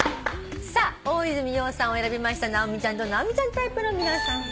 大泉洋さんを選びました直美ちゃんと直美ちゃんタイプの皆さんは。